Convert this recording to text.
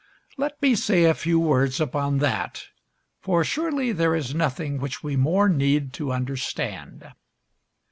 Let me say a few words upon that, for surely there is nothing which we more need to understand.